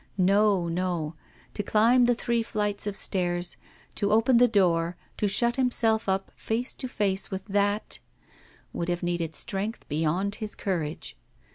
No, no; to climb the three flights of stairs, to open the door, to shut himself up face to face with 'that,' would have needed strength beyond his courage.